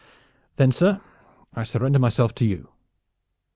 "Then, sir, I surrender myself to you."